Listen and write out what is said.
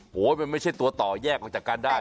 โหมันไม่ใช่ตัวต่อแยกออกจากกันได้